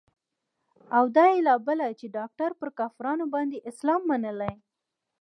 او دا يې لا بله چې ډاکتر پر کافرانو باندې اسلام منلى.